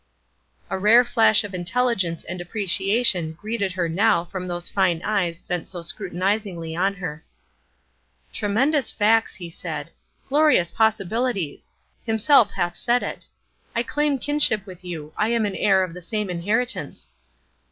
A rare flash of intelligence and appreciation greeted her now from those fine eyes bent so scrutinizingly on her. "Tremendous facts!" he said. "Glorious possibilities! 'Himself hath said it.' I claim kinship with you; I am an heir of the same inheritance."